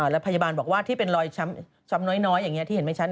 แล้วพยาบาลบอกว่าที่เป็นรอยช้ำน้อยอย่างนี้ที่เห็นไม่ชัด